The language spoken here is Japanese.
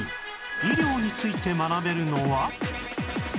医療について学べるのは